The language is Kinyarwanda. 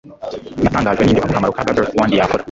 natangajwe nibyo ako kamaro ka bubble wand yakora